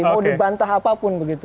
mau dibantah apapun begitu